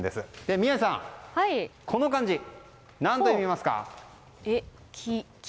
宮司さん、この漢字何と読みますか。